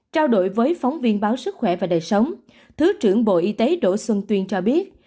trao đổi với phóng viên báo sức khỏe và đời sống thứ trưởng bộ y tế đỗ xuân tuyên cho biết